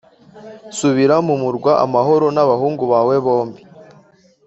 Subira mu murwa amahoro n’abahungu bawe bombi